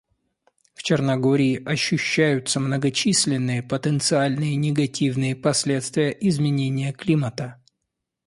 В Черногории ощущаются многочисленные потенциальные негативные последствия изменения климата.